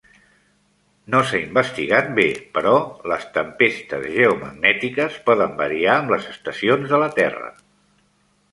No s'ha investigat bé, però les tempestes geomagnètiques poden variar amb les estacions de la Terra.